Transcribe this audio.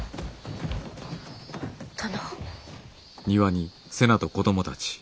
殿。